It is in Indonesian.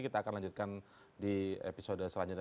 kita akan lanjutkan di episode selanjutnya